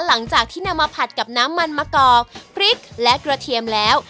หลังจากที่นำมาผัดกับน้ำมันมะกอกพริกและกระเทียมแล้ว